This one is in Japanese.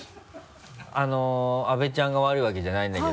あの阿部ちゃんが悪いわけじゃないんだけど。